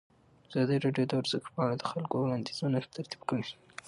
ازادي راډیو د ورزش په اړه د خلکو وړاندیزونه ترتیب کړي.